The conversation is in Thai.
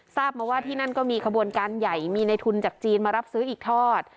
ทราบมาว่าที่นั่นก็มีขบวนการใหญ่มีในทุนจากจีนมารับซื้ออีกทอด